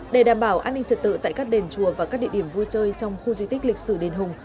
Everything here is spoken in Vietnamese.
để đảm bảo an ninh trật tự tại các đền chùa và các địa điểm vui chơi trong khu di tích lịch sử đền hùng